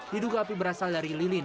diduga api berasal dari lilin